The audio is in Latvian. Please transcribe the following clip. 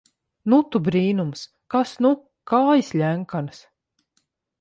Nu, tu brīnums! Kas nu! Kājas ļenkanas...